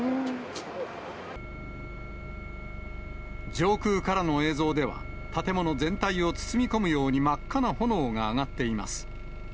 上空からの映像では、建物全体を包み込むように真っ赤な炎が上がっています。